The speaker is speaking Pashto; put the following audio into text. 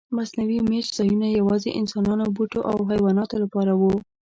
مصنوعي میشت ځایونه یواځې انسانانو، بوټو او حیواناتو لپاره و.